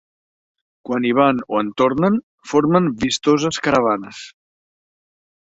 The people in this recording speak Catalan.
Quan hi van o en tornen formen vistoses caravanes.